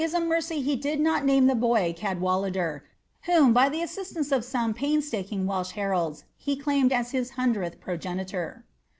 a mercy he did not name the boy Cadwallader, whom, by the assistanct of some pains taking Welsh hendds, he claimed as his hundredth pro genitor.'